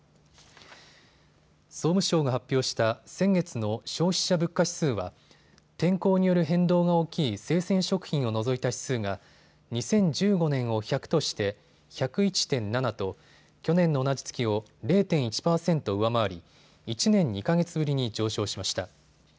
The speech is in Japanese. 総務省が発表した先月の消費者物価指数は天候による変動が大きい生鮮食品を除いた指数が２０１５年を１００として１０１．７と去年の同じ月を０．１％上回り、１年２か月ぶりに上昇しました。